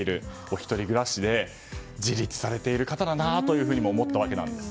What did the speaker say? １人暮らしで自立されている方だなとも思ったわけです。